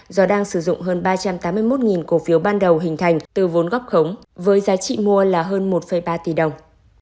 do đang sử dụng hơn ba trăm tám mươi một cổ phiếu ban đầu hình thành từ vốn gốc khống với giá trị mua là hơn một ba tỷ đồng